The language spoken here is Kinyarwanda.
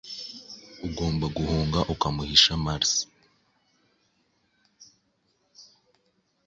Ugomba guhunga ukamuhisha mars